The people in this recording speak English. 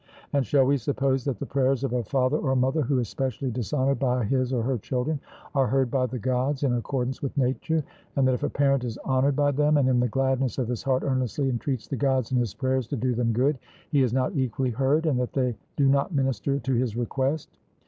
And shall we suppose that the prayers of a father or mother who is specially dishonoured by his or her children, are heard by the Gods in accordance with nature; and that if a parent is honoured by them, and in the gladness of his heart earnestly entreats the Gods in his prayers to do them good, he is not equally heard, and that they do not minister to his request?